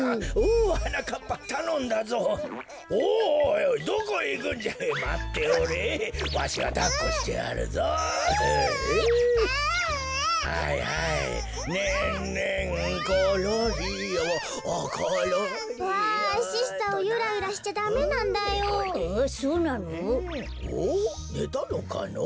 おっねたのかのぉ？